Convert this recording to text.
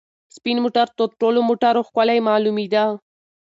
سپین موټر تر ټولو موټرو ښکلی معلومېده.